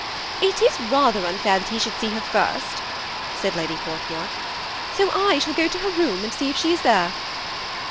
" It is rather unfair that he should see her first," said Lady Portmore, ^' so I shall go to her room, and see if she is there."